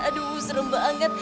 aduh serem banget